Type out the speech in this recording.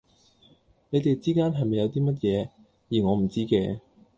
你哋之間係咪有啲咩嘢,而我唔知嘅?